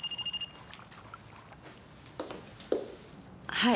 はい。